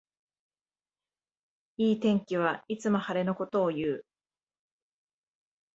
いい天気はいつも晴れのことをいう